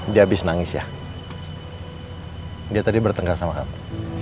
di habis nangis ya hai dia tadi bertengkar sama kamu